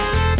ya itu dia